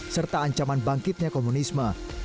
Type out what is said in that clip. serta ancaman bangkitnya komunisme